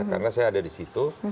karena saya ada di situ